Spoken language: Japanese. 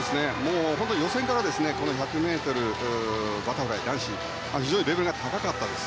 本当、予選から男子１００ｍバタフライは非常にレベルが高かったです。